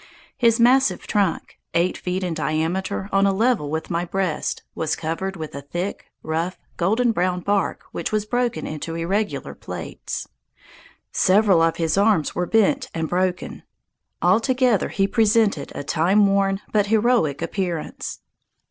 His massive trunk, eight feet in diameter on a level with my breast, was covered with a thick, rough, golden brown bark which was broken into irregular plates. Several of his arms were bent and broken. Altogether, he presented a timeworn but heroic appearance.